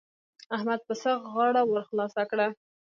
احمد پسه غاړه ور خلاصه کړه.